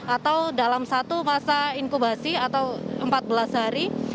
atau dalam satu masa inkubasi atau empat belas hari